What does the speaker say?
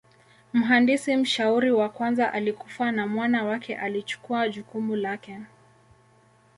Mhandisi mshauri wa kwanza alikufa na mwana wake alichukua jukumu lake.